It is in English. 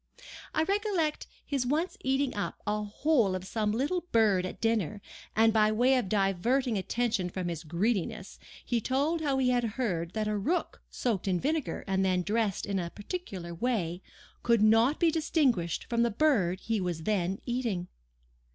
I recollect his once eating up the whole of some little bird at dinner, and by way of diverting attention from his greediness, he told how he had heard that a rook soaked in vinegar and then dressed in a particular way, could not be distinguished from the bird he was then eating.